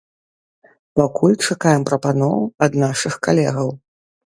Пакуль чакаем прапаноў ад нашых калегаў.